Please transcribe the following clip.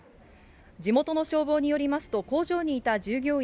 地元の消防によりますと、工場にいた従業員